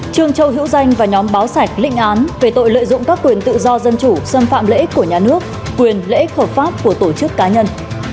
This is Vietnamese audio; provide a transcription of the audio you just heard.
trương châu hữu danh và nhóm báo sạch lịnh án về tội lợi dụng các quyền tự do dân chủ xâm phạm lợi ích của nhà nước quyền lợi ích hợp pháp của tổ chức cá nhân